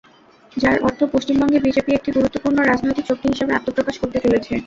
যার অর্থ, পশ্চিমবঙ্গে বিজেপি একটি গুরুত্বপূর্ণ রাজনৈতিক শক্তি হিসেবে আত্মপ্রকাশ করতে চলেছে।